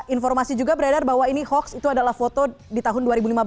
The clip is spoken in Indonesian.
informasi juga beredar bahwa ini hoax itu adalah foto di tahun dua ribu lima belas